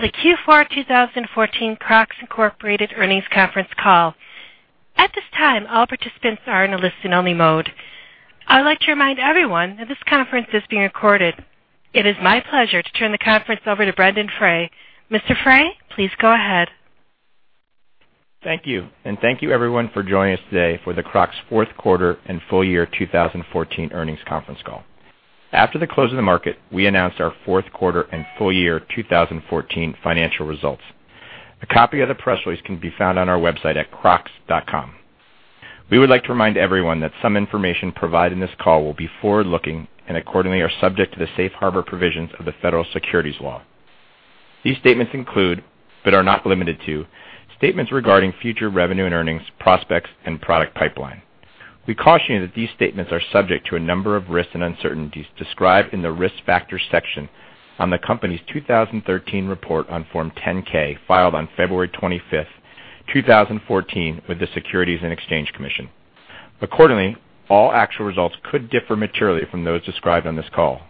Welcome to the Q4 2014 Crocs, Inc. earnings conference call. At this time, all participants are in a listen-only mode. I would like to remind everyone that this conference is being recorded. It is my pleasure to turn the conference over to Brendon Frey. Mr. Frey, please go ahead. Thank you, and thank you, everyone, for joining us today for the Crocs fourth quarter and full year 2014 earnings conference call. After the close of the market, we announced our fourth quarter and full year 2014 financial results. A copy of the press release can be found on our website at crocs.com. We would like to remind everyone that some information provided in this call will be forward-looking and accordingly are subject to the safe harbor provisions of the federal securities law. These statements include, but are not limited to, statements regarding future revenue and earnings prospects and product pipeline. We caution you that these statements are subject to a number of risks and uncertainties described in the Risk Factors section on the company's 2013 report on Form 10-K, filed on February 25th, 2014, with the Securities and Exchange Commission. Accordingly, all actual results could differ materially from those described on this call.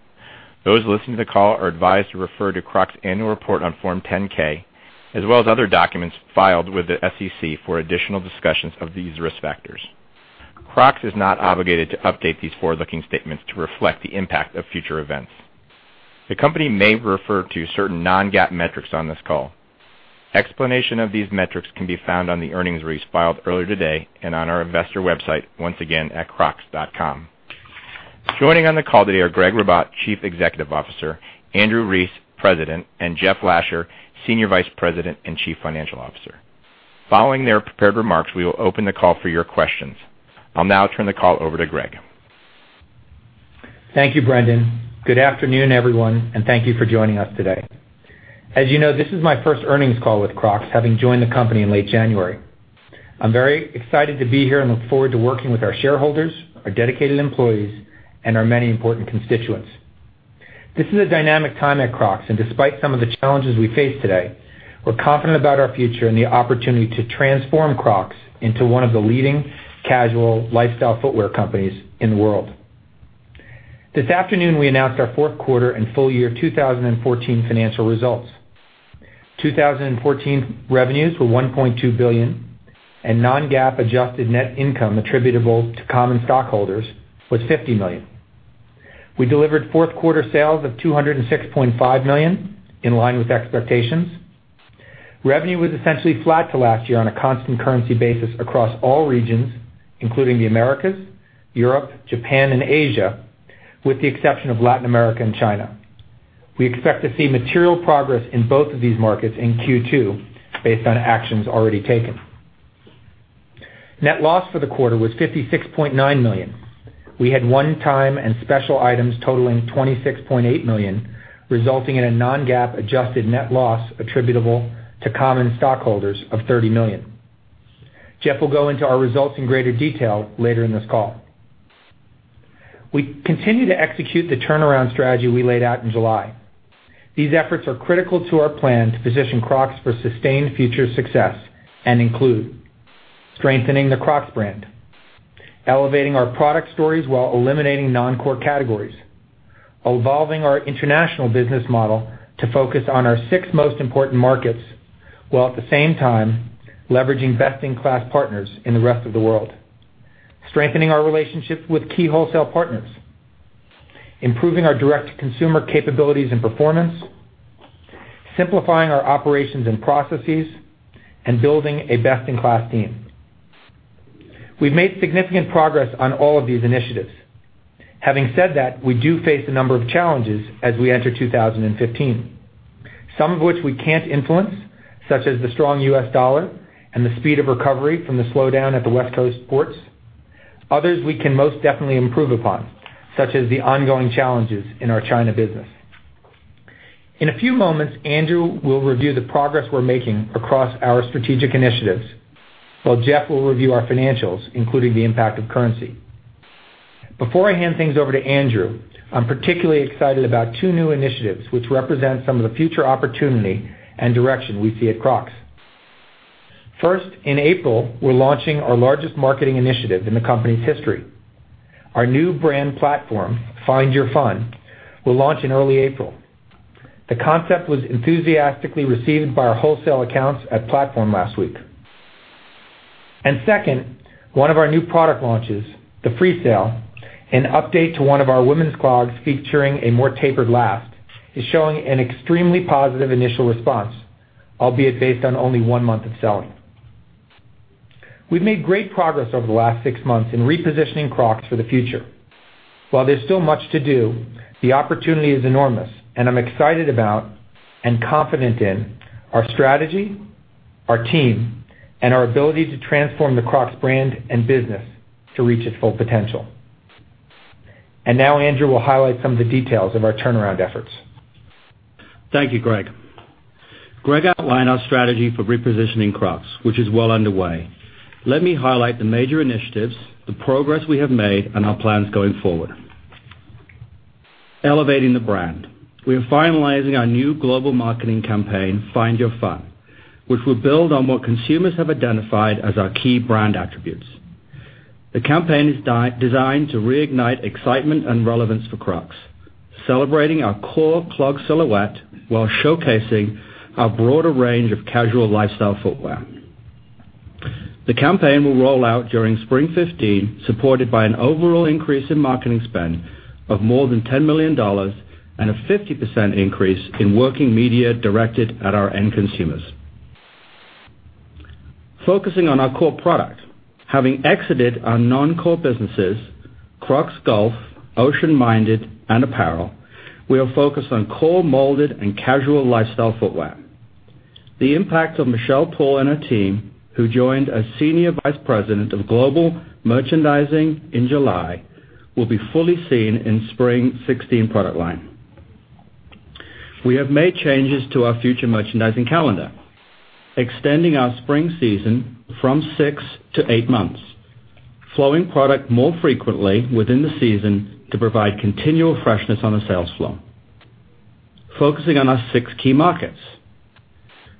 Those listening to the call are advised to refer to Crocs' annual report on Form 10-K, as well as other documents filed with the SEC for additional discussions of these risk factors. Crocs is not obligated to update these forward-looking statements to reflect the impact of future events. The company may refer to certain non-GAAP metrics on this call. Explanation of these metrics can be found on the earnings release filed earlier today and on our investor website, once again, at crocs.com. Joining on the call today are Gregg Ribatt, Chief Executive Officer, Andrew Rees, President, and Jeffrey Lasher, Senior Vice President and Chief Financial Officer. Following their prepared remarks, we will open the call for your questions. I'll now turn the call over to Gregg. Thank you, Brendon. Good afternoon, everyone, and thank you for joining us today. As you know, this is my first earnings call with Crocs, having joined the company in late January. I'm very excited to be here and look forward to working with our shareholders, our dedicated employees, and our many important constituents. This is a dynamic time at Crocs, and despite some of the challenges we face today, we're confident about our future and the opportunity to transform Crocs into one of the leading casual lifestyle footwear companies in the world. This afternoon, we announced our fourth quarter and full year 2014 financial results. 2014 revenues were $1.2 billion and non-GAAP adjusted net income attributable to common stockholders was $50 million. We delivered fourth quarter sales of $206.5 million, in line with expectations. Revenue was essentially flat to last year on a constant currency basis across all regions, including the Americas, Europe, Japan, and Asia, with the exception of Latin America and China. We expect to see material progress in both of these markets in Q2 based on actions already taken. Net loss for the quarter was $56.9 million. We had one-time and special items totaling $26.8 million, resulting in a non-GAAP adjusted net loss attributable to common stockholders of $30 million. Jeff will go into our results in greater detail later in this call. We continue to execute the turnaround strategy we laid out in July. These efforts are critical to our plan to position Crocs for sustained future success and include strengthening the Crocs brand, elevating our product stories while eliminating non-core categories, evolving our international business model to focus on our six most important markets, while at the same time leveraging best-in-class partners in the rest of the world, strengthening our relationships with key wholesale partners, improving our direct consumer capabilities and performance, simplifying our operations and processes, and building a best-in-class team. We've made significant progress on all of these initiatives. Having said that, we do face a number of challenges as we enter 2015, some of which we can't influence, such as the strong U.S. dollar and the speed of recovery from the slowdown at the West Coast ports. Others we can most definitely improve upon, such as the ongoing challenges in our China business. In a few moments, Andrew will review the progress we're making across our strategic initiatives, while Jeff will review our financials, including the impact of currency. Before I hand things over to Andrew, I'm particularly excited about two new initiatives which represent some of the future opportunity and direction we see at Crocs. First, in April, we're launching our largest marketing initiative in the company's history. Our new brand platform, Find Your Fun, will launch in early April. The concept was enthusiastically received by our wholesale accounts at Platform last week. Second, one of our new product launches, the Freesail, an update to one of our women's clogs featuring a more tapered last, is showing an extremely positive initial response, albeit based on only one month of selling. We've made great progress over the last six months in repositioning Crocs for the future. While there's still much to do, the opportunity is enormous, and I'm excited about and confident in our strategy, our team, and our ability to transform the Crocs brand and business to reach its full potential. Now Andrew will highlight some of the details of our turnaround efforts. Thank you, Gregg. Gregg outlined our strategy for repositioning Crocs, which is well underway. Let me highlight the major initiatives, the progress we have made, and our plans going forward. Elevating the brand. We are finalizing our new global marketing campaign, Find Your Fun, which will build on what consumers have identified as our key brand attributes. The campaign is designed to reignite excitement and relevance for Crocs, celebrating our core clog silhouette while showcasing our broader range of casual lifestyle footwear. The campaign will roll out during Spring 2015, supported by an overall increase in marketing spend of more than $10 million and a 50% increase in working media directed at our end consumers. Focusing on our core product. Having exited our non-core businesses, Crocs Golf, Ocean Minded, and apparel, we are focused on core molded and casual lifestyle footwear. The impact of Michelle Poole and her team, who joined as Senior Vice President of Global Merchandising in July, will be fully seen in Spring 2016 product line. We have made changes to our future merchandising calendar, extending our spring season from six to eight months, flowing product more frequently within the season to provide continual freshness on the sales floor. Focusing on our six key markets.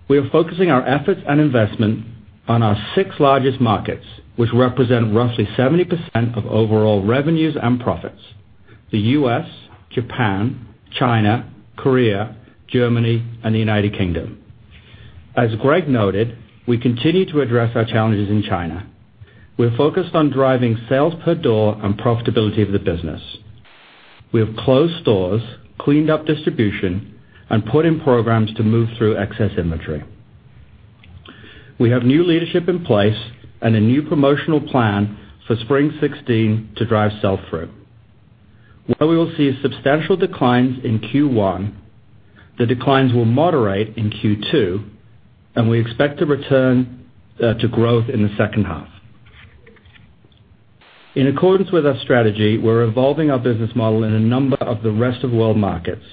We are focusing our efforts and investment on our six largest markets, which represent roughly 70% of overall revenues and profits: the U.S., Japan, China, Korea, Germany, and the U.K. As Gregg noted, we continue to address our challenges in China. We're focused on driving sales per door and profitability of the business. We have closed stores, cleaned up distribution, and put in programs to move through excess inventory. We have new leadership in place and a new promotional plan for Spring 2016 to drive sell-through. While we will see substantial declines in Q1, the declines will moderate in Q2, and we expect to return to growth in the second half. In accordance with our strategy, we're evolving our business model in a number of the rest-of-world markets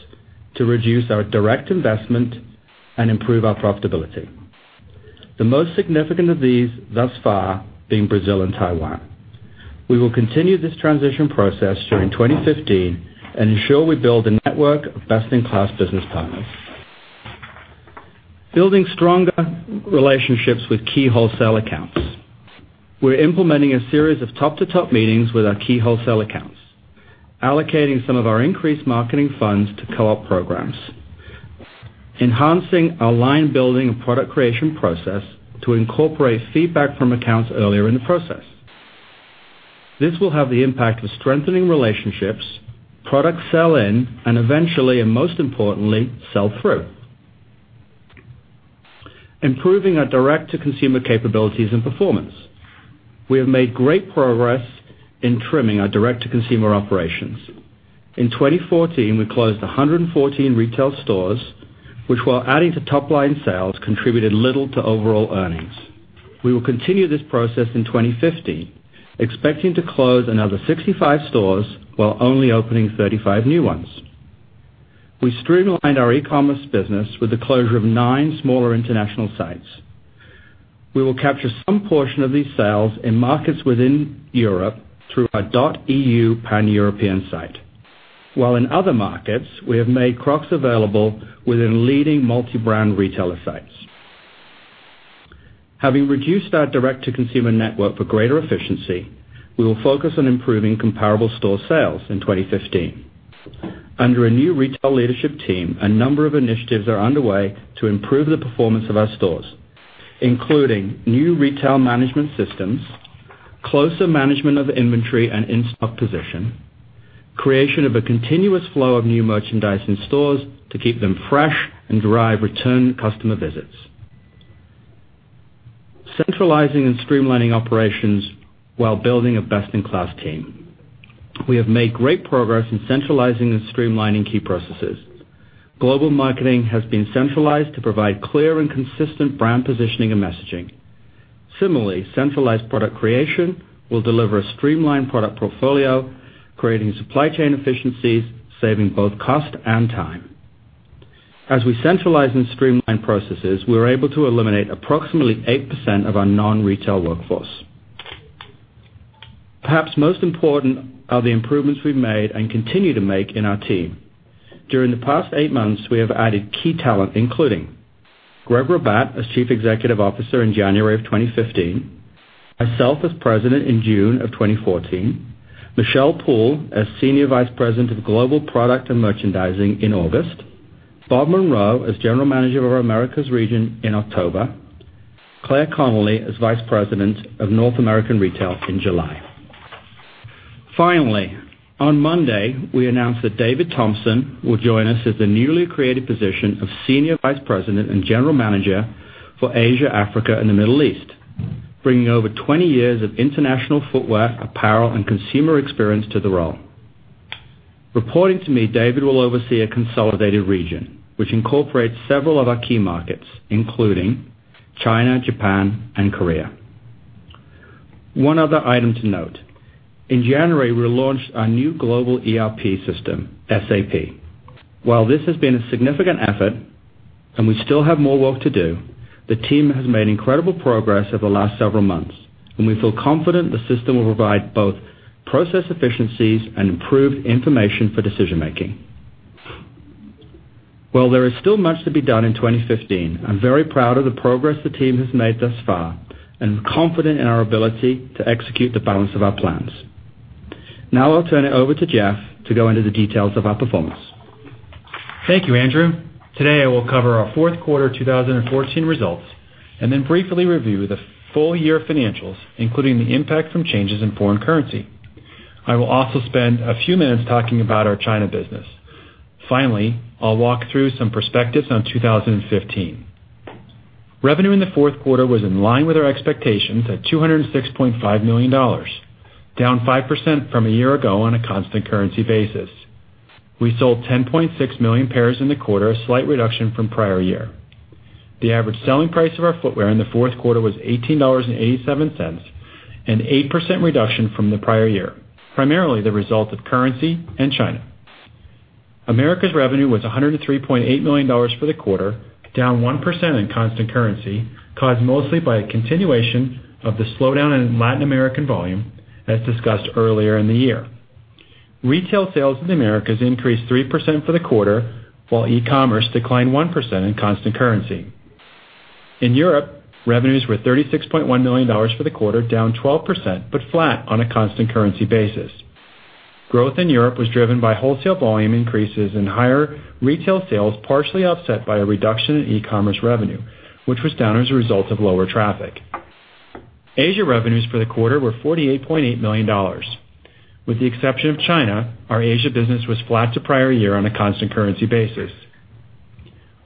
to reduce our direct investment and improve our profitability. The most significant of these thus far being Brazil and Taiwan. We will continue this transition process during 2015 and ensure we build a network of best-in-class business partners. Building stronger relationships with key wholesale accounts. We're implementing a series of top-to-top meetings with our key wholesale accounts, allocating some of our increased marketing funds to co-op programs, enhancing our line building and product creation process to incorporate feedback from accounts earlier in the process. This will have the impact of strengthening relationships, product sell-in, and eventually and most importantly, sell-through. Improving our direct-to-consumer capabilities and performance. We have made great progress in trimming our direct-to-consumer operations. In 2014, we closed 104 retail stores, which while adding to top-line sales, contributed little to overall earnings. We will continue this process in 2015, expecting to close another 65 stores while only opening 35 new ones. We streamlined our e-commerce business with the closure of nine smaller international sites. We will capture some portion of these sales in markets within Europe through our .eu Pan-European site. While in other markets, we have made Crocs available within leading multi-brand retailer sites. Having reduced our direct-to-consumer network for greater efficiency, we will focus on improving comparable store sales in 2015. Under a new retail leadership team, a number of initiatives are underway to improve the performance of our stores, including new retail management systems, closer management of inventory and in-stock position, creation of a continuous flow of new merchandise in stores to keep them fresh, and drive return customer visits. Centralizing and streamlining operations while building a best-in-class team. We have made great progress in centralizing and streamlining key processes. Global marketing has been centralized to provide clear and consistent brand positioning and messaging. Similarly, centralized product creation will deliver a streamlined product portfolio, creating supply chain efficiencies, saving both cost and time. As we centralize and streamline processes, we're able to eliminate approximately 8% of our non-retail workforce. Perhaps most important are the improvements we've made and continue to make in our team. During the past eight months, we have added key talent, including Gregg Ribatt as Chief Executive Officer in January of 2015, myself as President in June of 2014, Michelle Poole as Senior Vice President of Global Product and Merchandising in August, Bob Munroe as General Manager of our Americas Region in October, Claire Connolly as Vice President of North American Retail in July. On Monday, we announced that David Thomson will join us as the newly created position of Senior Vice President and General Manager for Asia, Africa, and the Middle East, bringing over 20 years of international footwear, apparel, and consumer experience to the role. Reporting to me, David will oversee a consolidated region, which incorporates several of our key markets, including China, Japan, and Korea. One other item to note. In January, we launched our new global ERP system, SAP. While this has been a significant effort and we still have more work to do, the team has made incredible progress over the last several months, and we feel confident the system will provide both process efficiencies and improved information for decision-making. While there is still much to be done in 2015, I'm very proud of the progress the team has made thus far, and confident in our ability to execute the balance of our plans. I'll turn it over to Jeff to go into the details of our performance. Thank you, Andrew. Today I will cover our fourth quarter 2014 results, then briefly review the full year financials, including the impact from changes in foreign currency. I will also spend a few minutes talking about our China business. Finally, I'll walk through some perspectives on 2015. Revenue in the fourth quarter was in line with our expectations at $206.5 million, down 5% from a year ago on a constant currency basis. We sold 10.6 million pairs in the quarter, a slight reduction from prior year. The average selling price of our footwear in the fourth quarter was $18.87, an 8% reduction from the prior year, primarily the result of currency and China. Americas revenue was $103.8 million for the quarter, down 1% in constant currency, caused mostly by a continuation of the slowdown in Latin American volume, as discussed earlier in the year. Retail sales in the Americas increased 3% for the quarter, while e-commerce declined 1% in constant currency. In Europe, revenues were $36.1 million for the quarter, down 12%, but flat on a constant currency basis. Growth in Europe was driven by wholesale volume increases and higher retail sales, partially offset by a reduction in e-commerce revenue, which was down as a result of lower traffic. Asia revenues for the quarter were $48.8 million. With the exception of China, our Asia business was flat to prior year on a constant currency basis.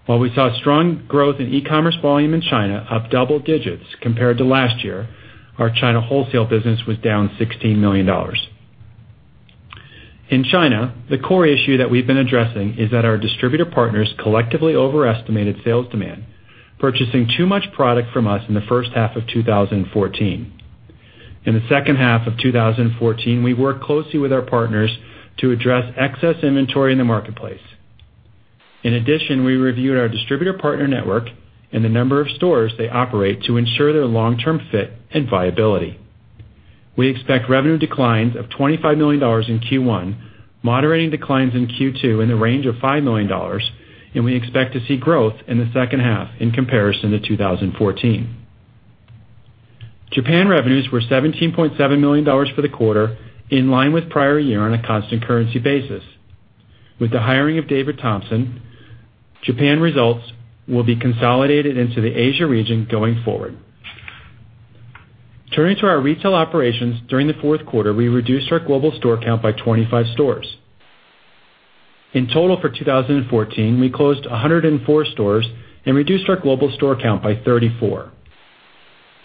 While we saw strong growth in e-commerce volume in China, up double digits compared to last year, our China wholesale business was down $16 million. In China, the core issue that we've been addressing is that our distributor partners collectively overestimated sales demand, purchasing too much product from us in the first half of 2014. In the second half of 2014, we worked closely with our partners to address excess inventory in the marketplace. In addition, we reviewed our distributor partner network and the number of stores they operate to ensure their long-term fit and viability. We expect revenue declines of $25 million in Q1, moderating declines in Q2 in the range of $5 million, we expect to see growth in the second half in comparison to 2014. Japan revenues were $17.7 million for the quarter, in line with prior year on a constant currency basis. With the hiring of David Thomson, Japan results will be consolidated into the Asia region going forward. Turning to our retail operations, during the fourth quarter, we reduced our global store count by 25 stores. In total for 2014, we closed 104 stores and reduced our global store count by 34.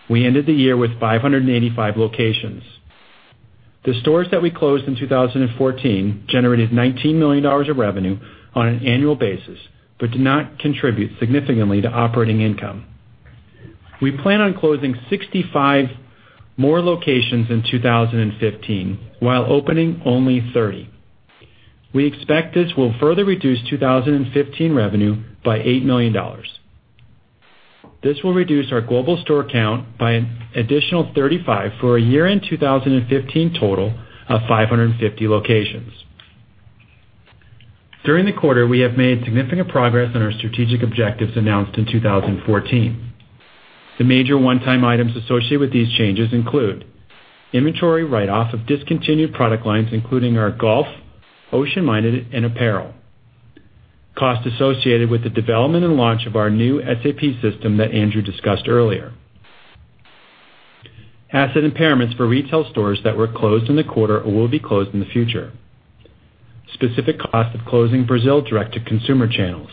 We ended the year with 585 locations. The stores that we closed in 2014 generated $19 million of revenue on an annual basis, did not contribute significantly to operating income. We plan on closing 65 more locations in 2015, while opening only 35. We expect this will further reduce 2015 revenue by $8 million. This will reduce our global store count by an additional 35, for a year-end 2015 total of 550 locations. During the quarter, we have made significant progress on our strategic objectives announced in 2014. The major one-time items associated with these changes include inventory write-off of discontinued product lines, including our Golf, Ocean Minded, and apparel. Costs associated with the development and launch of our new SAP system that Andrew discussed earlier. Asset impairments for retail stores that were closed in the quarter or will be closed in the future. Specific cost of closing Brazil direct-to-consumer channels.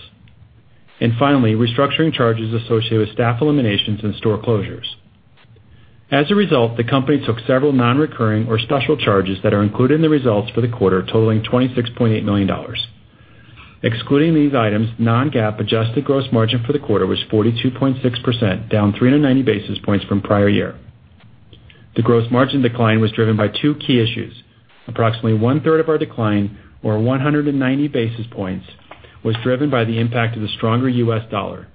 Finally, restructuring charges associated with staff eliminations and store closures. As a result, the company took several non-recurring or special charges that are included in the results for the quarter, totaling $26.8 million. Excluding these items, non-GAAP adjusted gross margin for the quarter was 42.6%, down 390 basis points from prior year. The gross margin decline was driven by two key issues. Approximately one-third of our decline, or 190 basis points, was driven by the impact of the stronger U.S. dollar,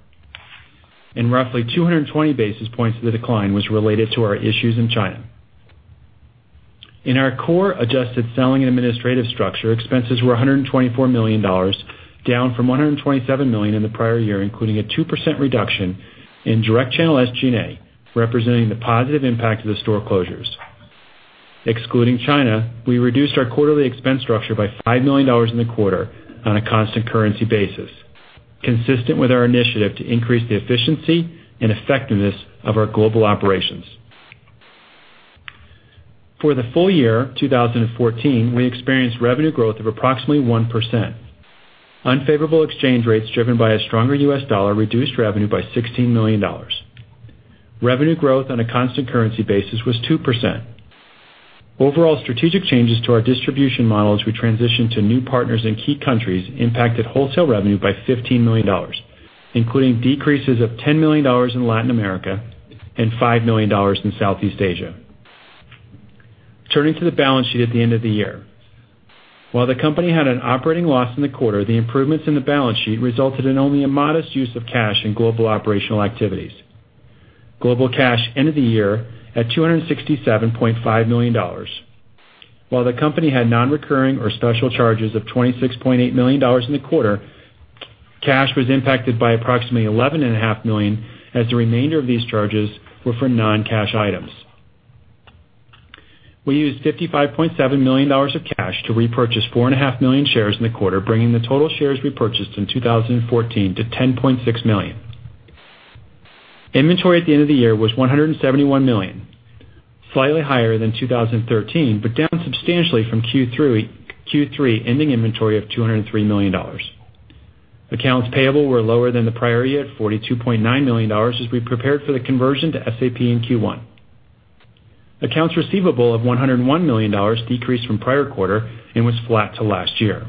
and roughly 220 basis points of the decline was related to our issues in China. In our core adjusted selling and administrative structure, expenses were $124 million, down from $127 million in the prior year, including a 2% reduction in direct channel SG&A, representing the positive impact of the store closures. Excluding China, we reduced our quarterly expense structure by $5 million in the quarter on a constant currency basis, consistent with our initiative to increase the efficiency and effectiveness of our global operations. For the full year 2014, we experienced revenue growth of approximately 1%. Unfavorable exchange rates driven by a stronger U.S. dollar reduced revenue by $16 million. Revenue growth on a constant currency basis was 2%. Overall strategic changes to our distribution model as we transition to new partners in key countries impacted wholesale revenue by $15 million, including decreases of $10 million in Latin America and $5 million in Southeast Asia. Turning to the balance sheet at the end of the year. While the company had an operating loss in the quarter, the improvements in the balance sheet resulted in only a modest use of cash in global operational activities. Global cash ended the year at $267.5 million. While the company had non-recurring or special charges of $26.8 million in the quarter, cash was impacted by approximately $11.5 million, as the remainder of these charges were for non-cash items. We used $55.7 million of cash to repurchase 4.5 million shares in the quarter, bringing the total shares repurchased in 2014 to 10.6 million. Inventory at the end of the year was $171 million, slightly higher than 2013, but down substantially from Q3 ending inventory of $203 million. Accounts payable were lower than the prior year at $42.9 million as we prepared for the conversion to SAP in Q1. Accounts receivable of $101 million decreased from prior quarter and was flat to last year.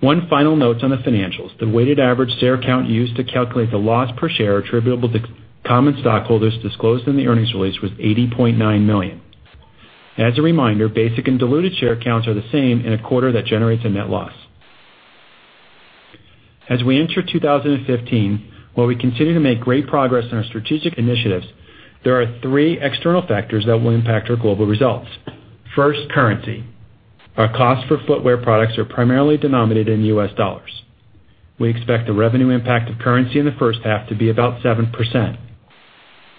One final note on the financials. The weighted average share count used to calculate the loss per share attributable to common stockholders disclosed in the earnings release was 80.9 million. As a reminder, basic and diluted share counts are the same in a quarter that generates a net loss. As we enter 2015, while we continue to make great progress on our strategic initiatives, there are three external factors that will impact our global results. First, currency. Our cost for footwear products are primarily denominated in U.S. dollars. We expect the revenue impact of currency in the first half to be about 7%.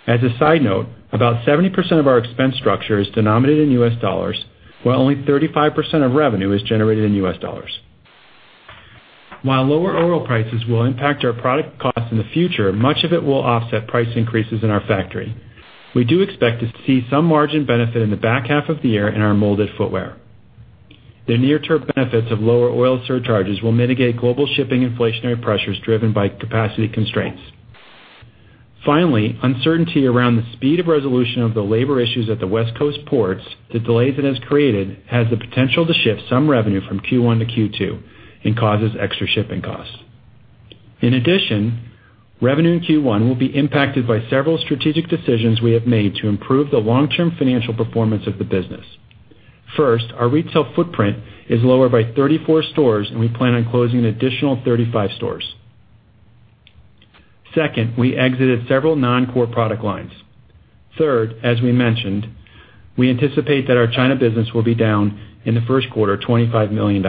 As a side note, about 70% of our expense structure is denominated in U.S. dollars, while only 35% of revenue is generated in U.S. dollars. While lower oil prices will impact our product cost in the future, much of it will offset price increases in our factory. We do expect to see some margin benefit in the back half of the year in our molded footwear. The near-term benefits of lower oil surcharges will mitigate global shipping inflationary pressures driven by capacity constraints. Finally, uncertainty around the speed of resolution of the labor issues at the West Coast ports, the delays it has created, has the potential to shift some revenue from Q1 to Q2 and causes extra shipping costs. In addition, revenue in Q1 will be impacted by several strategic decisions we have made to improve the long-term financial performance of the business. First, our retail footprint is lower by 34 stores, and we plan on closing an additional 35 stores. Second, we exited several non-core product lines. Third, as we mentioned, we anticipate that our China business will be down in the first quarter, $25 million.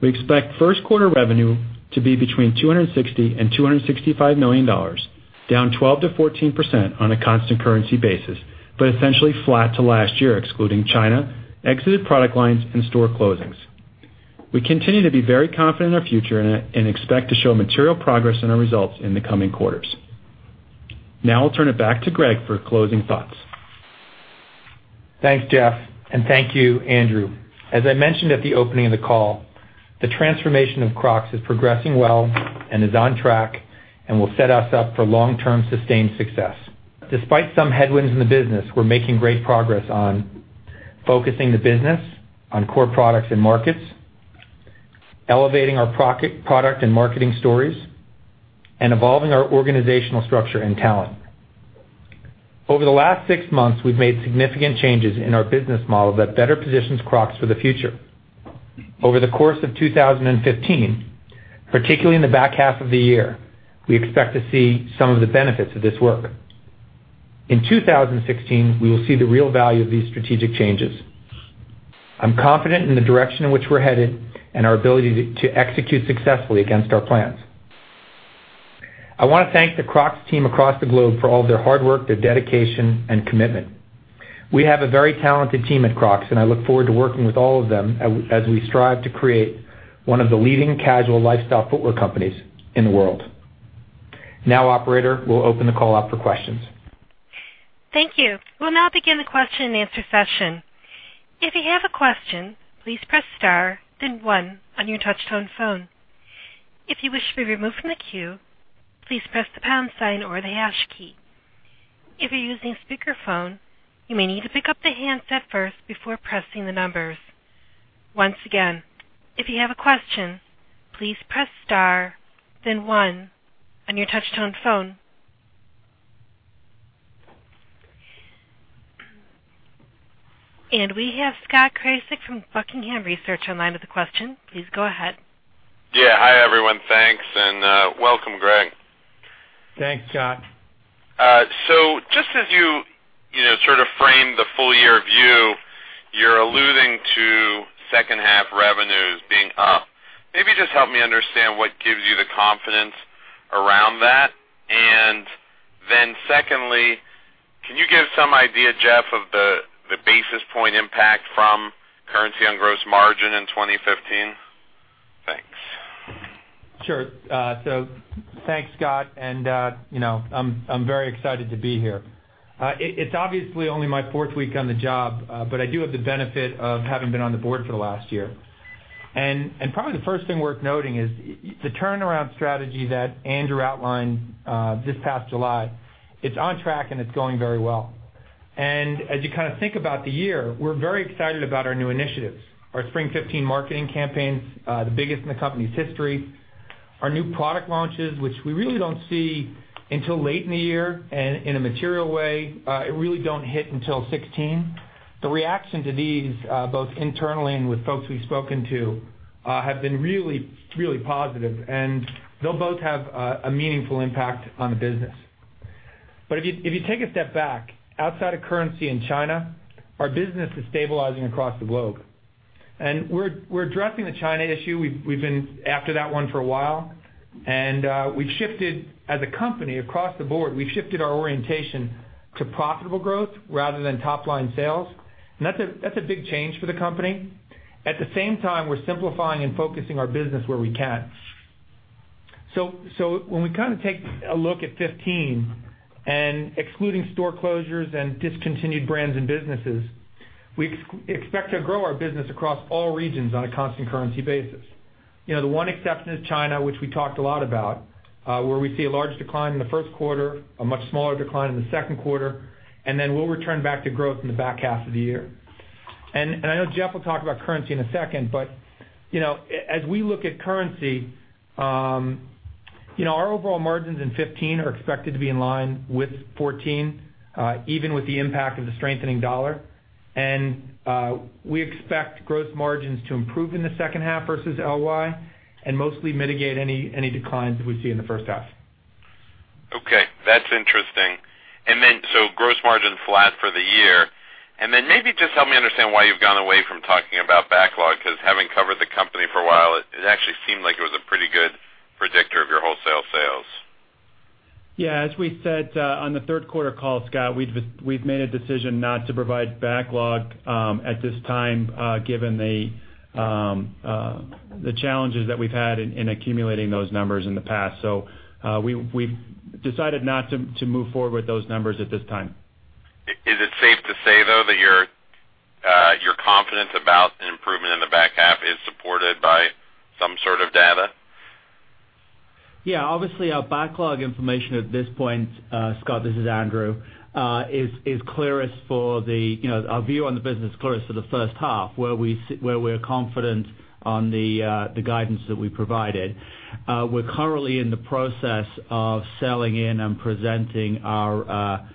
We expect first quarter revenue to be between $260 million and $265 million, down 12%-14% on a constant currency basis, but essentially flat to last year, excluding China, exited product lines, and store closings. We continue to be very confident in our future and expect to show material progress in our results in the coming quarters. Now I'll turn it back to Gregg for closing thoughts. Thanks, Jeffrey, and thank you, Andrew. As I mentioned at the opening of the call, the transformation of Crocs is progressing well and is on track and will set us up for long-term sustained success. Despite some headwinds in the business, we're making great progress on focusing the business on core products and markets, elevating our product and marketing stories, and evolving our organizational structure and talent. Over the last six months, we've made significant changes in our business model that better positions Crocs for the future. Over the course of 2015, particularly in the back half of the year, we expect to see some of the benefits of this work. In 2016, we will see the real value of these strategic changes. I'm confident in the direction in which we're headed and our ability to execute successfully against our plans. I want to thank the Crocs team across the globe for all their hard work, their dedication, and commitment. We have a very talented team at Crocs, and I look forward to working with all of them as we strive to create one of the leading casual lifestyle footwear companies in the world. Operator, we'll open the call up for questions. Thank you. We'll now begin the question and answer session. If you have a question, please press star then one on your touch-tone phone. If you wish to be removed from the queue, please press the pound sign or the hash key. If you're using speakerphone, you may need to pick up the handset first before pressing the numbers. Once again, if you have a question, please press star then one on your touch-tone phone. We have Scott Krasik from Buckingham Research on the line with a question. Please go ahead. Yeah. Hi, everyone. Thanks, welcome, Gregg. Thanks, Scott. Just as you sort of framed the full-year view, you're alluding to second half revenues being up. Maybe just help me understand what gives you the confidence around that. Secondly, can you give some idea, Jeff, of the basis point impact from currency on gross margin in 2015? Thanks. Thanks, Scott Krasik. I'm very excited to be here. It's obviously only my fourth week on the job, but I do have the benefit of having been on the board for the last year. Probably the first thing worth noting is the turnaround strategy that Andrew Rees outlined this past July, it's on track, and it's going very well. As you kind of think about the year, we're very excited about our new initiatives. Our Spring 2015 marketing campaigns, the biggest in the company's history. Our new product launches, which we really don't see until late in the year and in a material way, it really don't hit until 2016. The reaction to these, both internally and with folks we've spoken to, have been really positive, and they'll both have a meaningful impact on the business. If you take a step back, outside of currency in China, our business is stabilizing across the globe. We're addressing the China issue. We've been after that one for a while. As a company, across the board, we've shifted our orientation to profitable growth rather than top-line sales. That's a big change for the company. At the same time, we're simplifying and focusing our business where we can. When we take a look at 2015, and excluding store closures and discontinued brands and businesses, we expect to grow our business across all regions on a constant currency basis. The one exception is China, which we talked a lot about, where we see a large decline in the first quarter, a much smaller decline in the second quarter, and then we'll return back to growth in the back half of the year. I know Jeffrey Lasher will talk about currency in a second, but as we look at currency, our overall margins in 2015 are expected to be in line with 2014, even with the impact of the strengthening dollar. We expect gross margins to improve in the second half versus LY, and mostly mitigate any declines that we see in the first half. Okay. That's interesting. Gross margin flat for the year, maybe just help me understand why you've gone away from talking about backlog, because having covered the company for a while, it actually seemed like it was a pretty good predictor of your wholesale sales. Yeah, as we said on the third quarter call, Scott, we've made a decision not to provide backlog at this time, given the challenges that we've had in accumulating those numbers in the past. We've decided not to move forward with those numbers at this time. Is it safe to say, though, that your confidence about an improvement in the back half is supported by some sort of data? Yeah. Obviously, our backlog information at this point, Scott, this is Andrew, our view on the business is clearest for the first half, where we're confident on the guidance that we provided. We're currently in the process of selling in and presenting our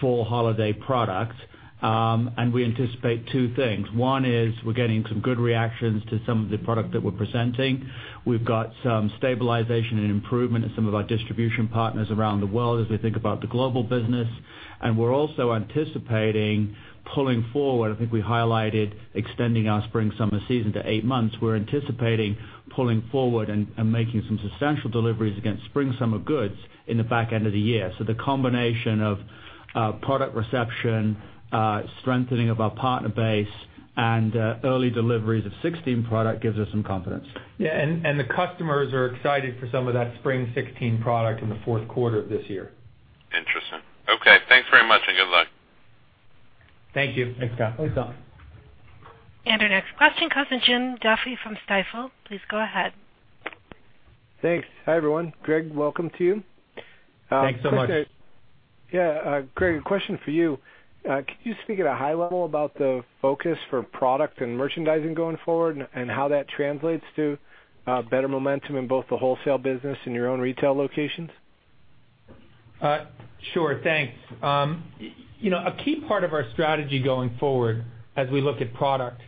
fall holiday product. We anticipate two things. One is we're getting some good reactions to some of the product that we're presenting. We've got some stabilization and improvement in some of our distribution partners around the world as we think about the global business. We're also anticipating pulling forward. I think we highlighted extending our spring/summer season to eight months. We're anticipating pulling forward and making some substantial deliveries against spring/summer goods in the back end of the year. The combination of product reception, strengthening of our partner base, and early deliveries of 2016 product gives us some confidence. Yeah. The customers are excited for some of that spring 2016 product in the fourth quarter of this year. Interesting. Okay, thanks very much, and good luck. Thank you. Thanks, Scott. Thanks, Scott. Our next question comes from Jim Duffy from Stifel. Please go ahead. Thanks. Hi, everyone. Gregg, welcome to you. Thanks so much. Yeah. Gregg, a question for you. Could you speak at a high level about the focus for product and merchandising going forward and how that translates to better momentum in both the wholesale business and your own retail locations? Sure. Thanks. A key part of our strategy going forward as we look at product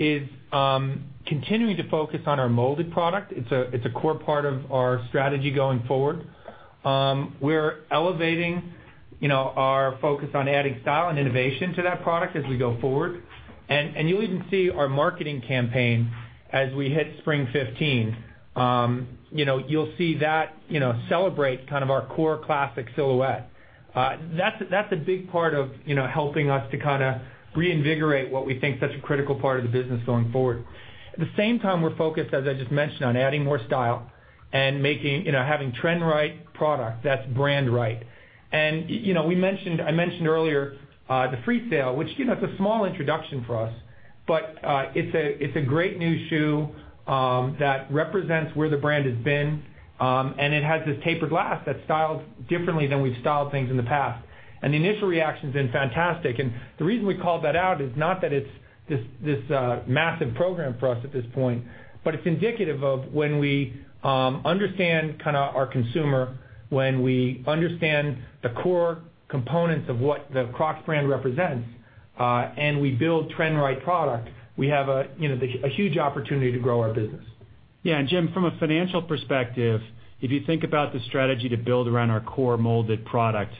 is continuing to focus on our molded product. It's a core part of our strategy going forward. We're elevating our focus on adding style and innovation to that product as we go forward. You'll even see our marketing campaign as we hit spring 2015. You'll see that celebrate kind of our core classic silhouette. That's a big part of helping us to kind of reinvigorate what we think is such a critical part of the business going forward. At the same time, we're focused, as I just mentioned, on adding more style and having trend-right product that's brand-right. I mentioned earlier the Freesail, which is a small introduction for us, but it's a great new shoe that represents where the brand has been, and it has this tapered last that's styled differently than we've styled things in the past. The initial reaction's been fantastic. The reason we called that out is not that it's this massive program for us at this point, but it's indicative of when we understand our consumer, when we understand the core components of what the Crocs brand represents, and we build trend-right product, we have a huge opportunity to grow our business. Yeah. Jim, from a financial perspective, if you think about the strategy to build around our core molded product,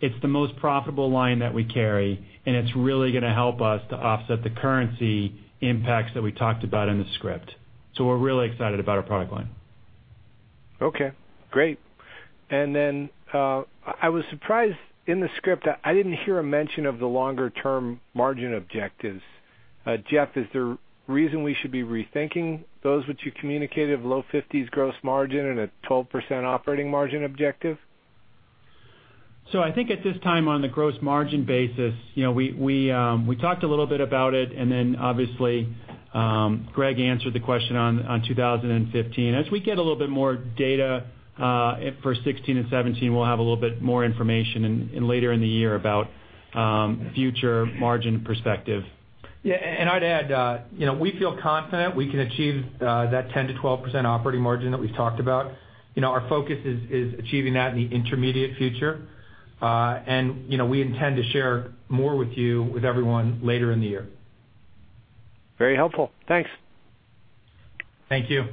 it's the most profitable line that we carry, and it's really going to help us to offset the currency impacts that we talked about in the script. We're really excited about our product line. Okay, great. I was surprised in the script, I didn't hear a mention of the longer-term margin objectives. Jeff, is there reason we should be rethinking those which you communicated, low 50s gross margin and a 12% operating margin objective? I think at this time, on the gross margin basis, we talked a little bit about it, then obviously, Gregg answered the question on 2015. As we get a little bit more data for 2016 and 2017, we'll have a little bit more information later in the year about future margin perspective. Yeah. I'd add, we feel confident we can achieve that 10%-12% operating margin that we've talked about. Our focus is achieving that in the intermediate future. We intend to share more with you, with everyone later in the year. Very helpful. Thanks. Thank you.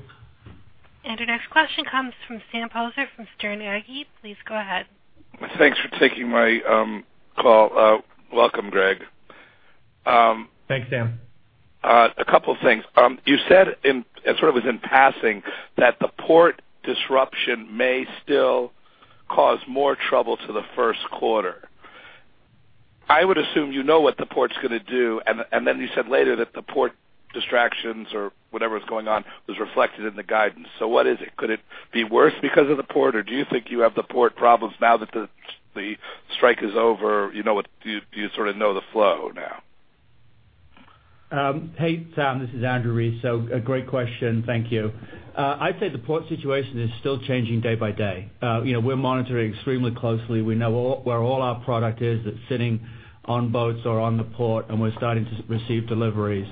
Our next question comes from Sam Poser from Sterne Agee. Please go ahead. Thanks for taking my call. Welcome, Gregg. Thanks, Sam. A couple things. You said, it sort of was in passing, that the port disruption may still cause more trouble to the first quarter. I would assume you know what the port's going to do, then you said later that the port distractions or whatever's going on was reflected in the guidance. What is it? Could it be worse because of the port, or do you think you have the port problems now that the strike is over? Do you sort of know the flow now? Hey, Sam. This is Andrew Rees. A great question. Thank you. I'd say the port situation is still changing day by day. We're monitoring extremely closely. We know where all our product is that's sitting on boats or on the port, and we're starting to receive deliveries.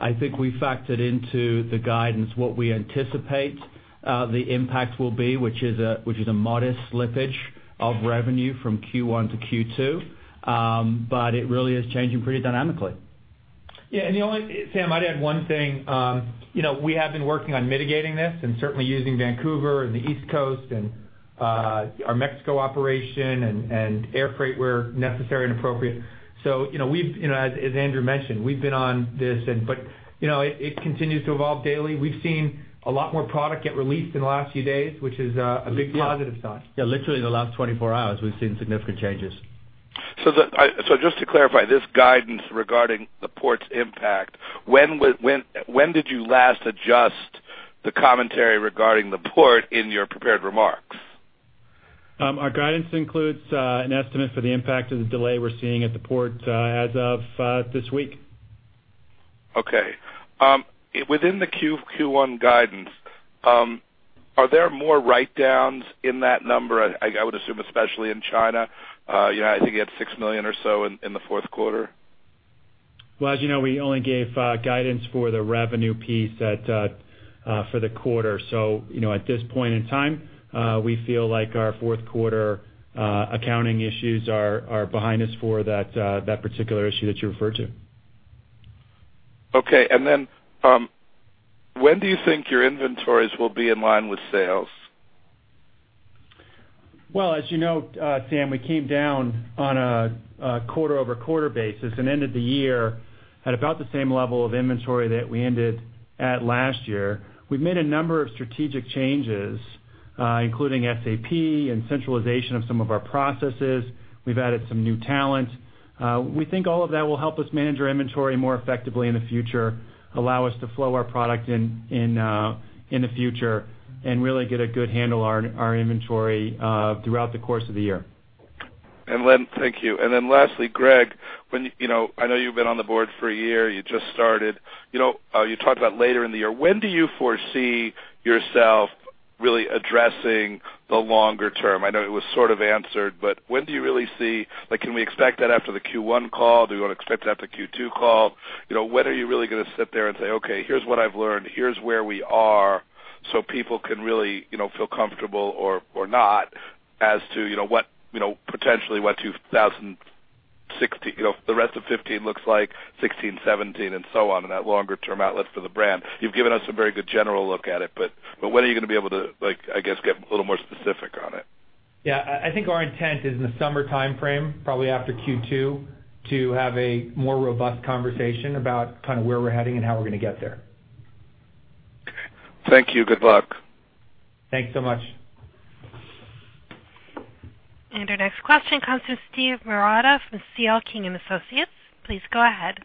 I think we factored into the guidance what we anticipate the impact will be, which is a modest slippage of revenue from Q1 to Q2. It really is changing pretty dynamically. Yeah. Sam, I'd add one thing. We have been working on mitigating this and certainly using Vancouver and the East Coast and our Mexico operation and air freight where necessary and appropriate. As Andrew mentioned, we've been on this. It continues to evolve daily. We've seen a lot more product get released in the last few days, which is a big positive sign. Yeah, literally the last 24 hours, we've seen significant changes. Just to clarify, this guidance regarding the port's impact, when did you last adjust the commentary regarding the port in your prepared remarks? Our guidance includes an estimate for the impact of the delay we're seeing at the port as of this week. Okay. Within the Q1 guidance, are there more write-downs in that number? I would assume, especially in China. I think you had $6 million or so in the fourth quarter. Well, as you know, we only gave guidance for the revenue piece for the quarter. At this point in time, we feel like our fourth quarter accounting issues are behind us for that particular issue that you referred to. Okay. When do you think your inventories will be in line with sales? Well, as you know, Sam, we came down on a quarter-over-quarter basis and ended the year at about the same level of inventory that we ended at last year. We've made a number of strategic changes, including SAP and centralization of some of our processes. We've added some new talent. We think all of that will help us manage our inventory more effectively in the future, allow us to flow our product in the future, and really get a good handle on our inventory, throughout the course of the year. Thank you. Lastly, Gregg, I know you've been on the board for a year. You just started. You talked about later in the year. When do you foresee yourself really addressing the longer term? I know it was sort of answered, when do you really see, like, can we expect that after the Q1 call? Do we expect it after Q2 call? When are you really going to sit there and say, "Okay, here's what I've learned. Here's where we are," people can really feel comfortable or not as to potentially what the rest of 2015 looks like, 2016, 2017, and so on, and that longer-term outlook for the brand. You've given us a very good general look at it, when are you going to be able to, I guess, get a little more specific on it? Yeah. I think our intent is in the summer timeframe, probably after Q2, to have a more robust conversation about where we're heading and how we're going to get there. Thank you. Good luck. Thanks so much. Our next question comes from Steve Marotta from C.L. King & Associates. Please go ahead.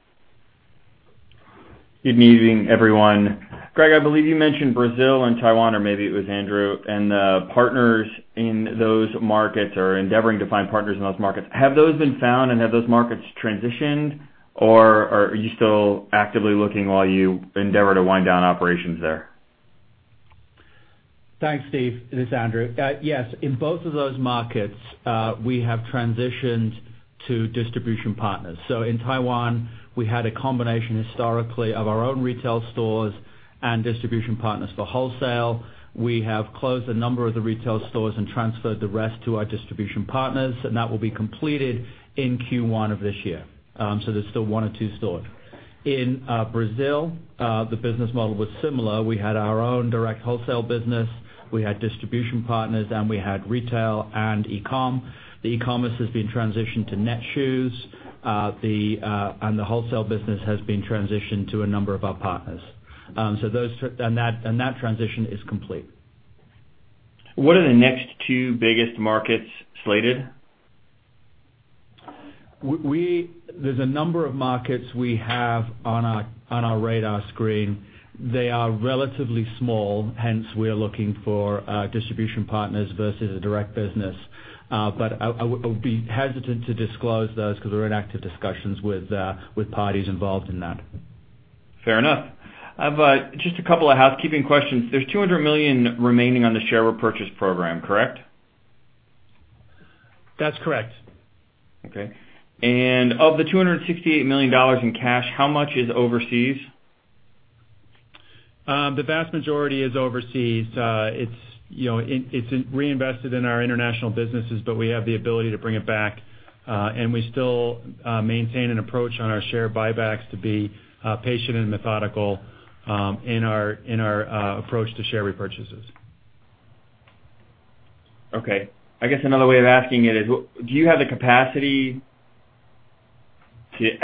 Good evening, everyone. Gregg, I believe you mentioned Brazil and Taiwan, or maybe it was Andrew, the partners in those markets or endeavoring to find partners in those markets. Have those been found and have those markets transitioned, or are you still actively looking while you endeavor to wind down operations there? Thanks, Steve. This is Andrew. Yes. In both of those markets, we have transitioned to distribution partners. In Taiwan, we had a combination historically of our own retail stores and distribution partners for wholesale. We have closed a number of the retail stores and transferred the rest to our distribution partners, and that will be completed in Q1 of this year. There's still one or two stores. In Brazil, the business model was similar. We had our own direct wholesale business. We had distribution partners, and we had retail and e-com. The e-commerce has been transitioned to Netshoes. The wholesale business has been transitioned to a number of our partners. That transition is complete. What are the next two biggest markets slated? There's a number of markets we have on our radar screen. They are relatively small, hence we're looking for distribution partners versus a direct business. I would be hesitant to disclose those because we're in active discussions with parties involved in that. Fair enough. I've just a couple of housekeeping questions. There's $200 million remaining on the share repurchase program, correct? That's correct. Okay. Of the $268 million in cash, how much is overseas? The vast majority is overseas. It's reinvested in our international businesses, but we have the ability to bring it back. We still maintain an approach on our share buybacks to be patient and methodical in our approach to share repurchases. Okay. I guess another way of asking it is, when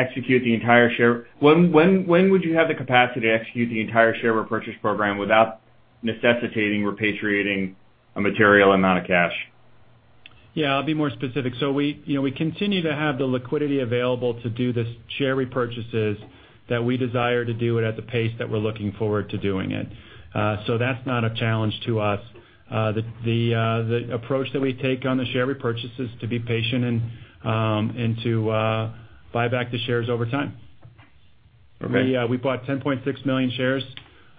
would you have the capacity to execute the entire share repurchase program without necessitating repatriating a material amount of cash? Yeah, I'll be more specific. We continue to have the liquidity available to do the share repurchases that we desire to do it at the pace that we're looking forward to doing it. That's not a challenge to us. The approach that we take on the share repurchase is to be patient and to buy back the shares over time. Okay. We bought 10.6 million shares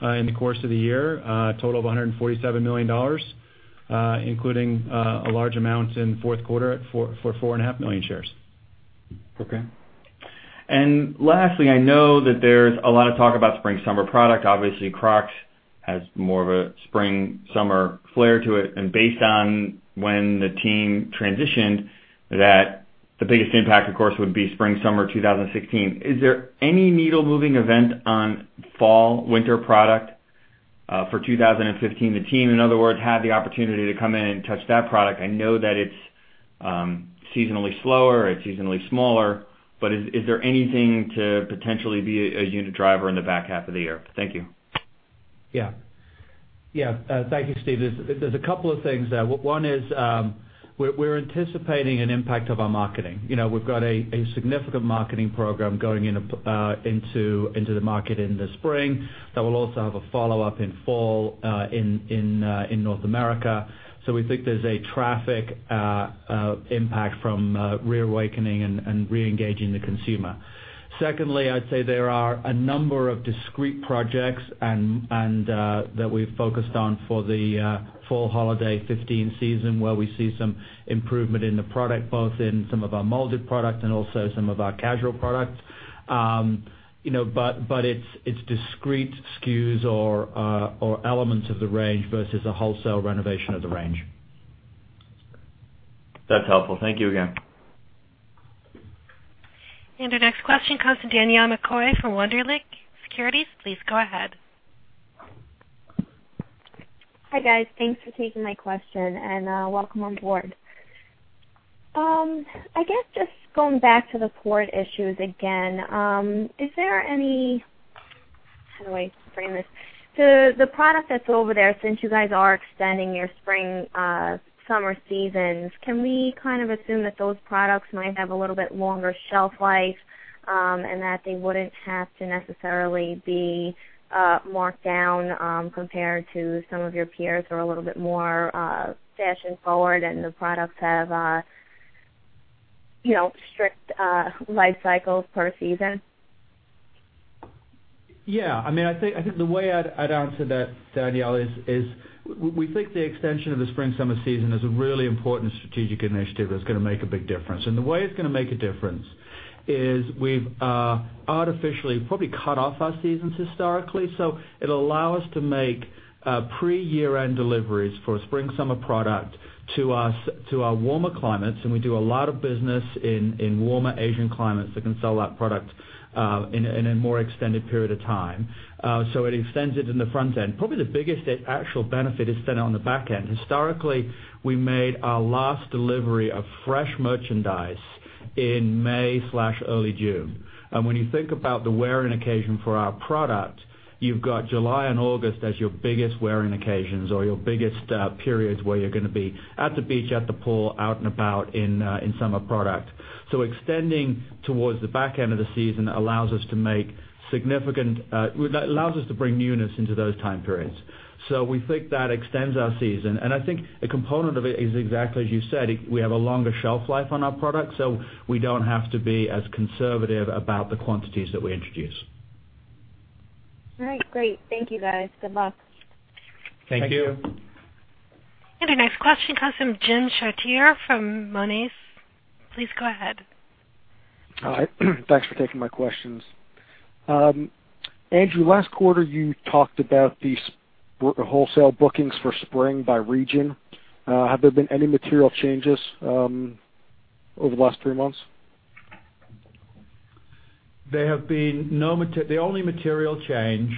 in the course of the year, a total of $147 million, including a large amount in fourth quarter for four and a half million shares. Okay. Lastly, I know that there's a lot of talk about spring-summer product. Obviously, Crocs has more of a spring, summer flair to it. Based on when the team transitioned, that the biggest impact, of course, would be spring-summer 2016. Is there any needle-moving event on fall/winter product for 2015? The team, in other words, had the opportunity to come in and touch that product. I know that it's seasonally slower, it's seasonally smaller, is there anything to potentially be a unit driver in the back half of the year? Thank you. Yeah. Thank you, Steve. There's a couple of things there. One is, we're anticipating an impact of our marketing. We've got a significant marketing program going into the market in the spring. That will also have a follow-up in fall in North America. We think there's a traffic impact from reawakening and re-engaging the consumer. Secondly, I'd say there are a number of discrete projects that we've focused on for the fall holiday 2015 season, where we see some improvement in the product, both in some of our molded product and also some of our casual product. It's discrete SKUs or elements of the range versus a wholesale renovation of the range. That's helpful. Thank you again. Our next question comes from Danielle McCoy from Wunderlich Securities. Please go ahead. Hi, guys. Thanks for taking my question, and welcome on board. I guess just going back to the port issues again. Is there any how do I frame this? The product that's over there, since you guys are extending your spring, summer seasons, can we kind of assume that those products might have a little bit longer shelf life, and that they wouldn't have to necessarily be marked down compared to some of your peers who are a little bit more fashion-forward and the products have strict life cycles per season? Yeah. I think the way I'd answer that, Danielle, is we think the extension of the spring-summer season is a really important strategic initiative that's going to make a big difference. The way it's going to make a difference is we've artificially probably cut off our seasons historically. It'll allow us to make pre-year-end deliveries for spring-summer product to our warmer climates, and we do a lot of business in warmer Asian climates that can sell that product in a more extended period of time. It extends it in the front end. Probably the biggest actual benefit is then on the back end. Historically, we made our last delivery of fresh merchandise in May/early June. When you think about the wearing occasion for our product, you've got July and August as your biggest wearing occasions or your biggest periods where you're going to be at the beach, at the pool, out and about in summer product. Extending towards the back end of the season allows us to bring newness into those time periods. We think that extends our season, and I think a component of it is exactly as you said, we have a longer shelf life on our product, so we don't have to be as conservative about the quantities that we introduce. All right, great. Thank you, guys. Good luck. Thank you. Thank you. Our next question comes from Jim Chartier from Monness. Please go ahead. All right. Thanks for taking my questions. Andrew, last quarter, you talked about the wholesale bookings for spring by region. Have there been any material changes over the last three months? The only material change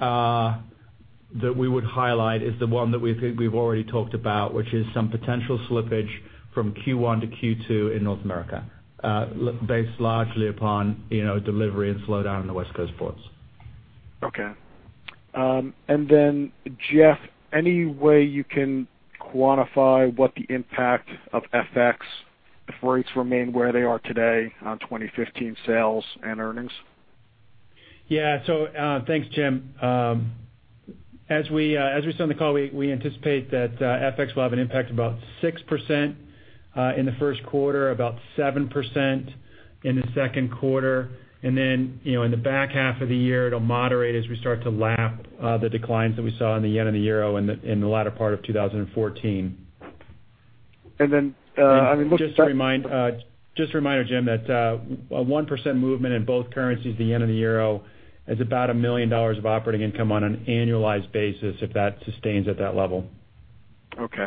that we would highlight is the one that we've already talked about, which is some potential slippage from Q1 to Q2 in North America based largely upon delivery and slowdown in the West Coast ports. Okay. Then, Jeff, any way you can quantify what the impact of FX if rates remain where they are today on 2015 sales and earnings? Yeah. Thanks, Jim. As we said on the call, we anticipate that FX will have an impact about 6% in the first quarter, about 7% in the second quarter, then, in the back half of the year, it'll moderate as we start to lap the declines that we saw in the yen and the euro in the latter part of 2014. I mean. Just a reminder, Jim, that a 1% movement in both currencies, the yen and the euro, is about $1 million of operating income on an annualized basis if that sustains at that level. Okay.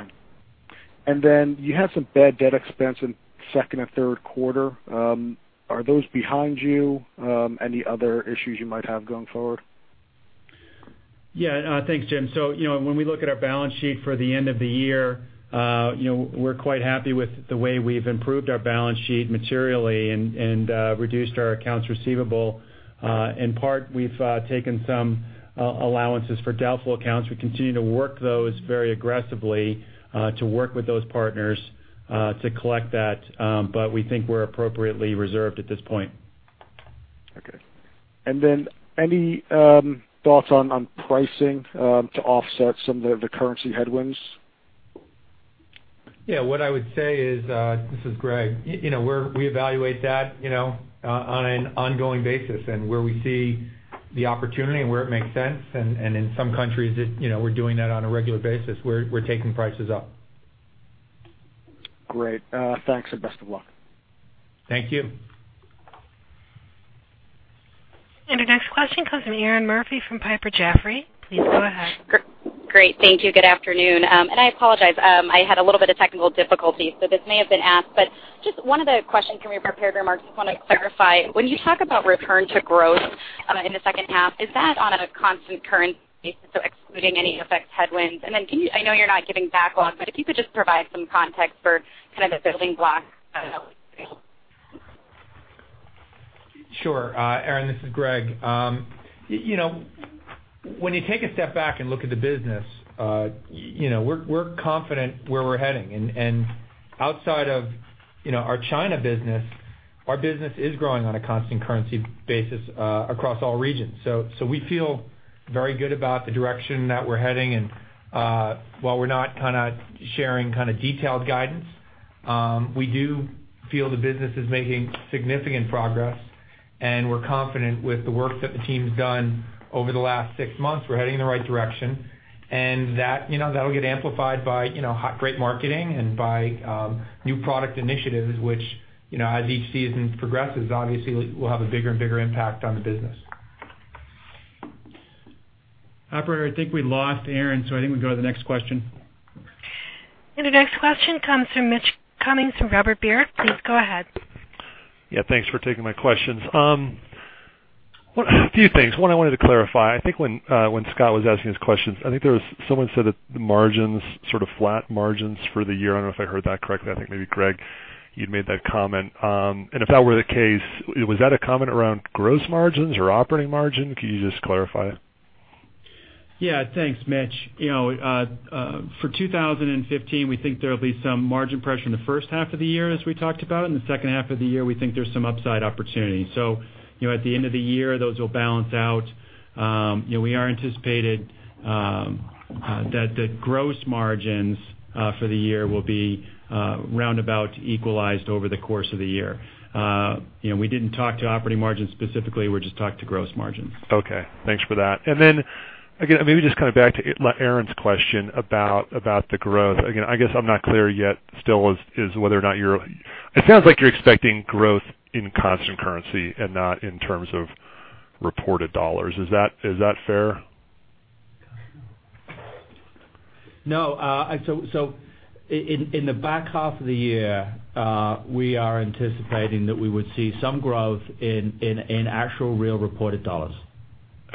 You had some bad debt expense in second and third quarter. Are those behind you? Any other issues you might have going forward? Yeah. Thanks, Jim. When we look at our balance sheet for the end of the year, we're quite happy with the way we've improved our balance sheet materially and reduced our accounts receivable. In part, we've taken some allowances for doubtful accounts. We continue to work those very aggressively, to work with those partners, to collect that, but we think we're appropriately reserved at this point. Okay. Any thoughts on pricing to offset some of the currency headwinds? Yeah, what I would say is this is Gregg. We evaluate that on an ongoing basis and where we see the opportunity and where it makes sense, and in some countries, we're doing that on a regular basis. We're taking prices up. Great. Thanks and best of luck. Thank you. Our next question comes from Erinn Murphy from Piper Jaffray. Please go ahead. Great. Thank you. Good afternoon. I apologize. I had a little bit of technical difficulty, this may have been asked, just one of the questions from your prepared remarks, I just want to clarify. When you talk about return to growth in the second half, is that on a constant currency basis, excluding any FX headwinds? I know you're not giving backlog, but if you could just provide some context for kind of the building blocks Sure. Erinn, this is Gregg. When you take a step back and look at the business, we're confident where we're heading. Outside of our China business, our business is growing on a constant currency basis across all regions. We feel very good about the direction that we're heading. While we're not sharing detailed guidance, we do feel the business is making significant progress, and we're confident with the work that the team's done over the last six months. We're heading in the right direction. That'll get amplified by great marketing and by new product initiatives, which as each season progresses, obviously will have a bigger and bigger impact on the business. Operator, I think we lost Erinn, I think we can go to the next question. The next question comes from Mitch Kummetz from Robert W. Baird. Please go ahead. Thanks for taking my questions. A few things. One, I wanted to clarify. I think when Scott was asking his questions, I think someone said that the margins, sort of flat margins for the year. I don't know if I heard that correctly. I think maybe Gregg, you'd made that comment. If that were the case, was that a comment around gross margins or operating margin? Can you just clarify? Thanks, Mitch. For 2015, we think there'll be some margin pressure in the first half of the year, as we talked about, in the second half of the year, we think there's some upside opportunity. At the end of the year, those will balance out. We are anticipating that the gross margins for the year will be roundabout equalized over the course of the year. We didn't talk to operating margins specifically. We just talked to gross margins. Okay. Thanks for that. Again, maybe just back to Erinn's question about the growth. Again, I guess I'm not clear yet still is whether or not It sounds like you're expecting growth in constant currency and not in terms of reported dollars. Is that fair? No. In the back half of the year, we are anticipating that we would see some growth in actual real reported dollars.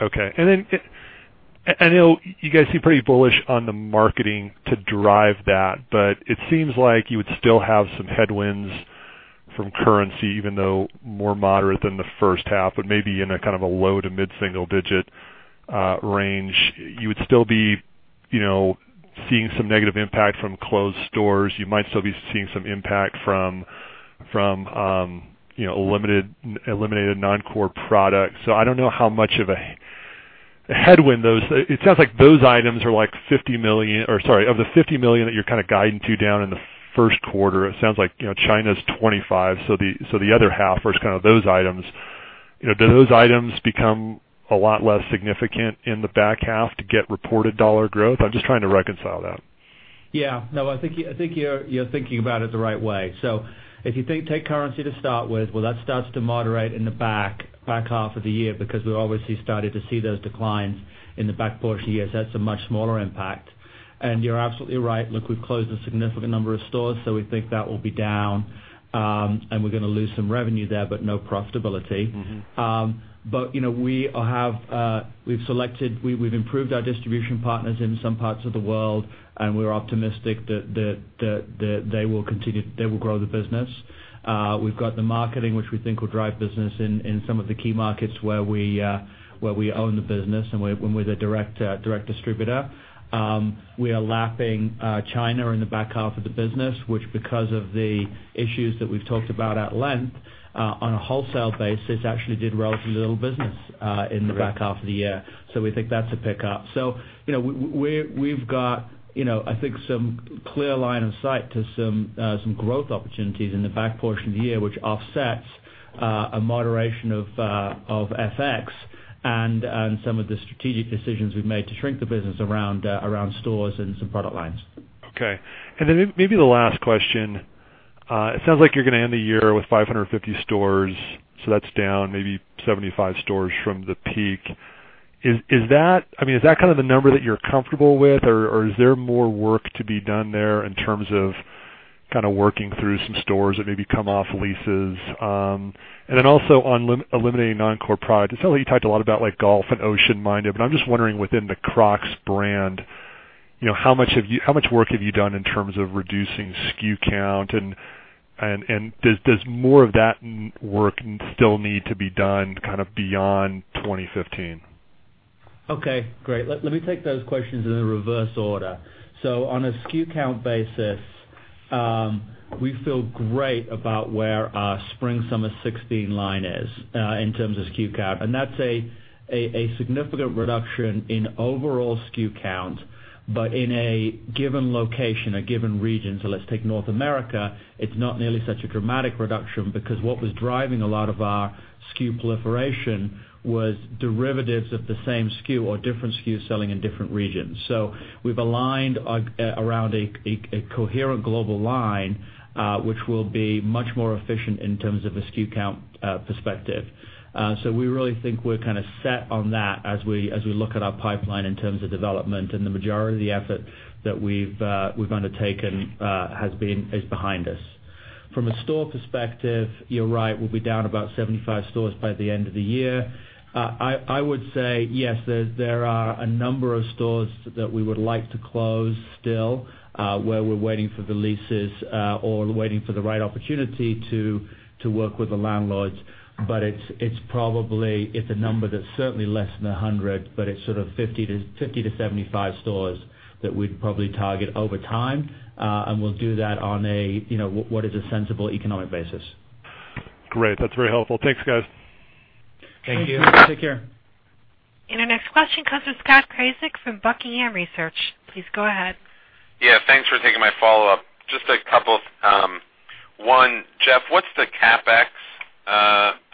Okay. I know you guys seem pretty bullish on the marketing to drive that, but it seems like you would still have some headwinds from currency, even though more moderate than the first half, but maybe in a low to mid-single digit range. You would still be seeing some negative impact from closed stores. You might still be seeing some impact from eliminated non-core products. I don't know how much of a headwind those It sounds like those items are like $50 million, or sorry, of the $50 million that you're kind of guiding to down in the first quarter, it sounds like China's $25 million, so the other half are kind of those items. Do those items become a lot less significant in the back half to get reported dollar growth? I'm just trying to reconcile that. Yeah. No, I think you're thinking about it the right way. If you take currency to start with, well, that starts to moderate in the back half of the year because we obviously started to see those declines in the back portion of the year. That's a much smaller impact. You're absolutely right. Look, we've closed a significant number of stores, so we think that will be down, and we're going to lose some revenue there, but no profitability. We've improved our distribution partners in some parts of the world, and we're optimistic that they will grow the business. We've got the marketing, which we think will drive business in some of the key markets where we own the business and when we're the direct distributor. We are lapping China in the back half of the business, which, because of the issues that we've talked about at length, on a wholesale basis, actually did relatively little business in the back half of the year. We think that's a pickup. We've got I think some clear line of sight to some growth opportunities in the back portion of the year, which offsets a moderation of FX and some of the strategic decisions we've made to shrink the business around stores and some product lines. Okay. Then maybe the last question It sounds like you're going to end the year with 550 stores, so that's down maybe 75 stores from the peak. Is that the number that you're comfortable with, or is there more work to be done there in terms of working through some stores that maybe come off leases? Then also on eliminating non-core products. It sounds like you talked a lot about Crocs Golf and Ocean Minded, but I'm just wondering within the Crocs brand, how much work have you done in terms of reducing SKU count, and does more of that work still need to be done beyond 2015? Okay, great. Let me take those questions in the reverse order. On a SKU count basis, we feel great about where our spring/summer 2016 line is in terms of SKU count. That's a significant reduction in overall SKU count, but in a given location, a given region, let's take North America, it's not nearly such a dramatic reduction because what was driving a lot of our SKU proliferation was derivatives of the same SKU or different SKUs selling in different regions. We've aligned around a coherent global line, which will be much more efficient in terms of a SKU count perspective. We really think we're kind of set on that as we look at our pipeline in terms of development, and the majority of the effort that we've undertaken is behind us. From a store perspective, you're right, we'll be down about 75 stores by the end of the year. I would say yes, there are a number of stores that we would like to close still, where we're waiting for the leases or waiting for the right opportunity to work with the landlords. It's a number that's certainly less than 100, but it's sort of 50 to 75 stores that we'd probably target over time. We'll do that on what is a sensible economic basis. Great. That's very helpful. Thanks, guys. Thank you. Take care. Our next question comes from Scott Krasik from Buckingham Research. Please go ahead. Thanks for taking my follow-up. Just a couple. One, Jeff, what's the CapEx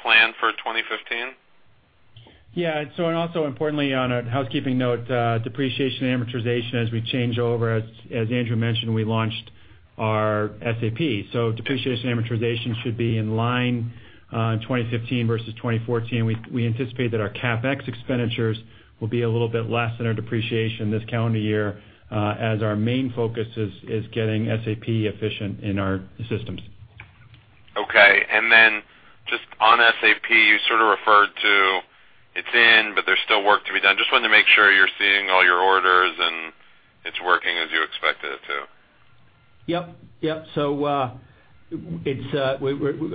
plan for 2015? Also importantly, on a housekeeping note, depreciation amortization as we change over, as Andrew mentioned, we launched our SAP. Depreciation amortization should be in line in 2015 versus 2014. We anticipate that our CapEx expenditures will be a little bit less than our depreciation this calendar year as our main focus is getting SAP efficient in our systems. Okay, just on SAP, you sort of referred to it's in, but there's still work to be done. Just wanted to make sure you're seeing all your orders and it's working as you expect it to. Yep.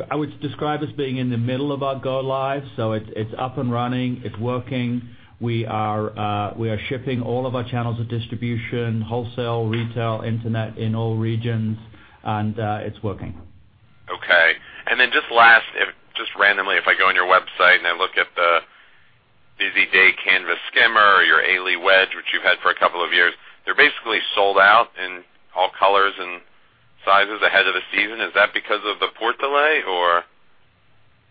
I would describe us being in the middle of our go-live. It's up and running. It's working. We are shipping all of our channels of distribution, wholesale, retail, internet, in all regions, and it's working. Okay, just last, just randomly, if I go on your website and I look at the Busy Day Canvas Skimmer or your Ailey Wedge, which you've had for a couple of years, they're basically sold out in all colors and sizes ahead of the season. Is that because of the port delay?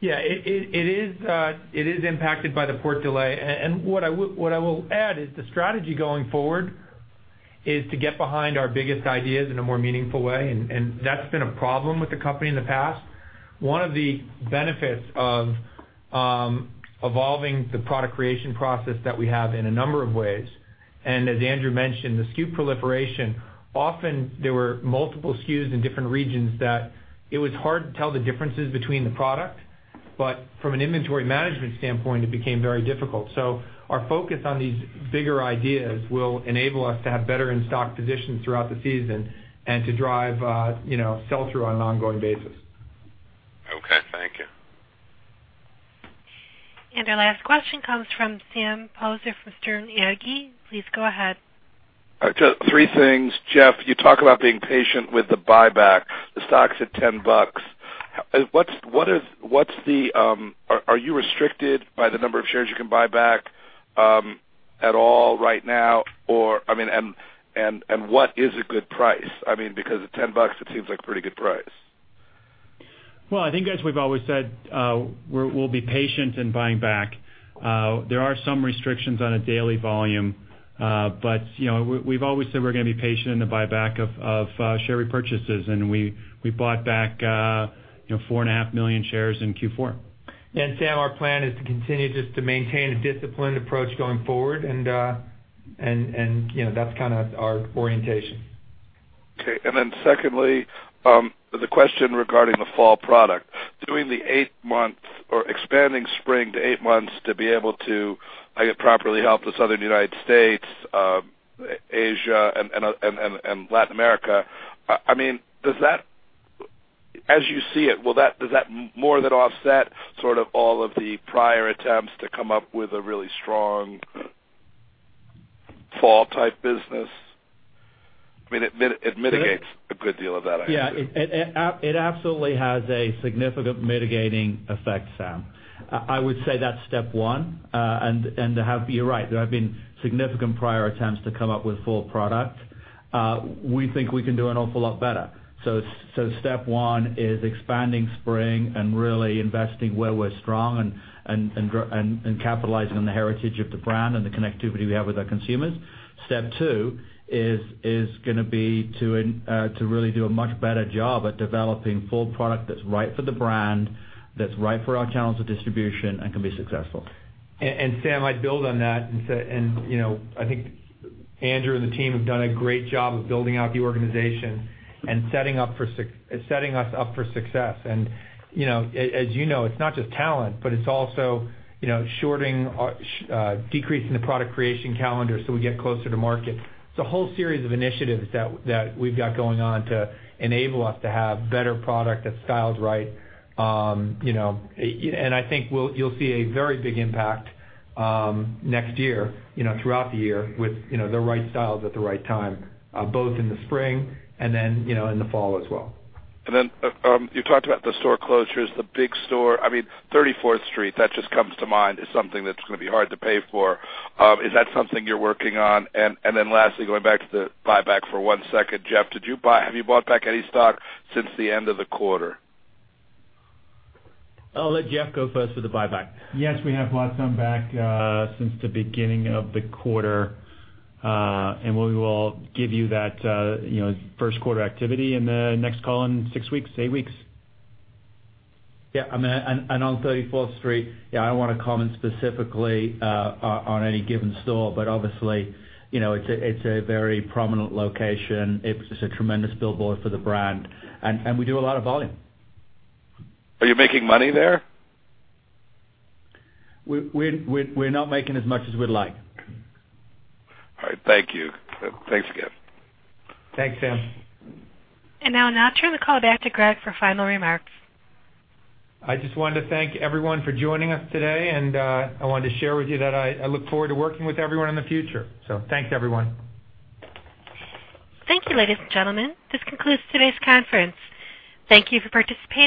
Yeah, it is impacted by the port delay. What I will add is the strategy going forward is to get behind our biggest ideas in a more meaningful way, and that's been a problem with the company in the past. One of the benefits of evolving the product creation process that we have in a number of ways, and as Andrew mentioned, the SKU proliferation, often there were multiple SKUs in different regions that it was hard to tell the differences between the product. From an inventory management standpoint, it became very difficult. Our focus on these bigger ideas will enable us to have better in-stock positions throughout the season and to drive sell-through on an ongoing basis. Okay, thank you. Our last question comes from Sam Poser from Sterne Agee. Please go ahead. Just three things. Jeff, you talk about being patient with the buyback. The stock's at $10. Are you restricted by the number of shares you can buy back at all right now, and what is a good price? At $10, it seems like a pretty good price. Well, I think as we've always said, we'll be patient in buying back. There are some restrictions on a daily volume, but we've always said we're going to be patient in the buyback of share repurchases, and we bought back four and a half million shares in Q4. Sam, our plan is to continue just to maintain a disciplined approach going forward. That's kind of our orientation. Okay, secondly, the question regarding the fall product. Expanding spring to eight months to be able to properly help the Southern U.S., Asia, and Latin America, as you see it, does that more than offset sort of all of the prior attempts to come up with a really strong fall type business? It mitigates a good deal of that, I imagine. Yeah, it absolutely has a significant mitigating effect, Sam. I would say that's step one, and you're right, there have been significant prior attempts to come up with fall product. We think we can do an awful lot better. Step one is expanding spring and really investing where we're strong and capitalizing on the heritage of the brand and the connectivity we have with our consumers. Step two is going to be to really do a much better job at developing fall product that's right for the brand, that's right for our channels of distribution, and can be successful. Sam, I'd build on that and say, I think Andrew and the team have done a great job of building out the organization and setting us up for success. As you know, it's not just talent, but it's also decreasing the product creation calendar so we get closer to market. It's a whole series of initiatives that we've got going on to enable us to have better product that's styled right. I think you'll see a very big impact next year, throughout the year with the right styles at the right time, both in the spring and in the fall as well. You talked about the store closures, the big store. 34th Street, that just comes to mind as something that's going to be hard to pay for. Is that something you're working on? Lastly, going back to the buyback for one second. Jeff, have you bought back any stock since the end of the quarter? I'll let Jeff go first with the buyback. Yes, we have bought some back since the beginning of the quarter. We will give you that first quarter activity in the next call in six weeks, eight weeks. Yeah. On 34th Street, I don't want to comment specifically on any given store, but obviously, it's a very prominent location. It's a tremendous billboard for the brand, and we do a lot of volume. Are you making money there? We're not making as much as we'd like. All right. Thank you. Thanks again. Thanks, Sam. Now I'll now turn the call back to Gregg for final remarks. I just wanted to thank everyone for joining us today, and I wanted to share with you that I look forward to working with everyone in the future. Thanks, everyone. Thank you, ladies and gentlemen. This concludes today's conference. Thank you for participating.